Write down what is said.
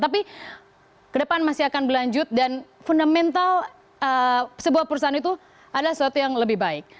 tapi ke depan masih akan berlanjut dan fundamental sebuah perusahaan itu adalah sesuatu yang lebih baik